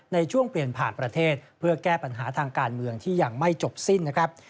ในช่วงเปลี่ยนผ่านประเทศเพื่อแก้ปัญหาทางการเมืองที่ยังไม่จบสิ้นนะครับ